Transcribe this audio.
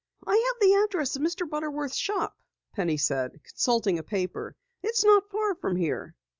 "I have the address of Mr. Butterworth's shop," Penny said, consulting a paper. "It's not far from here."